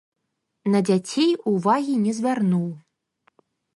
На дзяцей увагі не звярнуў.